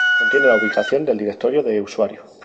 Contiene la ubicación del directorio de usuario.